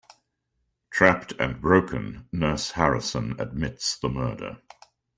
Trapped and broken, Nurse Harrison admits the murder.